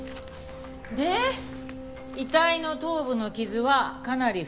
で「遺体の頭部の傷はかなり深かった」。